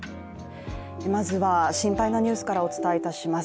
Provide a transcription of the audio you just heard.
まずは心配なニュースからお伝えします。